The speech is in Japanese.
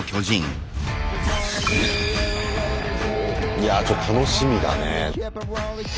いやちょっと楽しみだね。